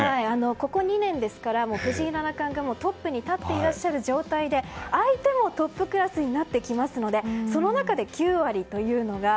ここ２年ですから藤井七冠がトップに立っていらっしゃる状態で相手もトップクラスになってきますのでその中で９割というのが。